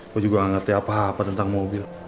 gue juga gak ngerti apa apa tentang mobil